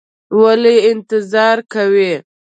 ولې انتظار کوې؟